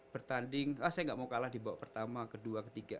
bertanding ah saya nggak mau kalah di babak pertama kedua ketiga